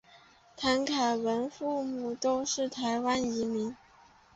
谭凯文父母都是台湾移民。